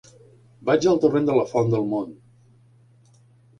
Vaig al torrent de la Font del Mont.